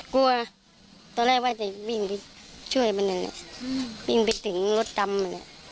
กลัวตอนแรกว่าจะวิ่งไปช่วยมันนั่นแหละวิ่งไปถึงรถตำมันแหละ